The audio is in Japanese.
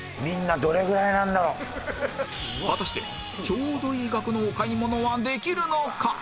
果たしてちょうどいい額のお買い物はできるのか？